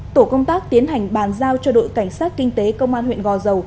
tổ công tác tiến hành bàn giao cho đội cảnh sát kinh tế công an huyện gò dầu